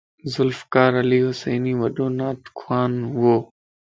ذوالفقار علي حسيني وڏو نعت خوا ھئو